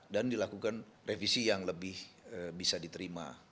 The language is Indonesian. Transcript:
dilakukan revisi yang lebih bisa diterima